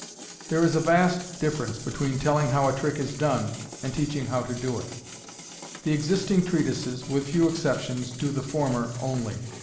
There is a vast difference between telling how a trick is done and teaching how to do it. The existing treatises, with few exceptions, do the former only.